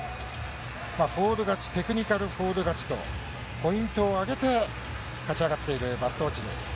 フォール勝ち、テクニカルフォール勝ちと、ポイントを挙げて勝ち上がっているバット落ちる。